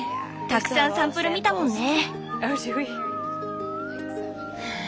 たくさんサンプル見たもんね。